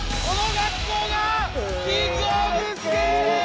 この学校が。